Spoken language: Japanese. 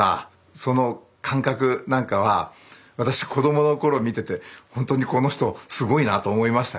その感覚なんかは私子供の頃見ててほんとにこの人すごいなと思いました。